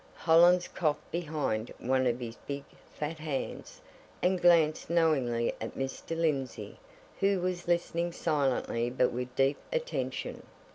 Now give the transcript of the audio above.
Hollins coughed behind one of his big, fat hands, and glanced knowingly at Mr. Lindsey, who was listening silently but with deep attention.